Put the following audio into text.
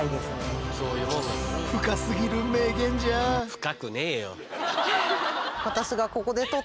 深くねえよ。